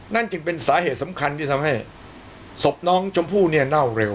นั่นจึงเป็นสาเหตุสำคัญที่ทำให้ศพน้องชมพู่เนี่ยเน่าเร็ว